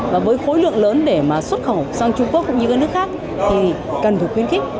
và với khối lượng lớn để mà xuất khẩu sang trung quốc cũng như các nước khác thì cần được khuyến khích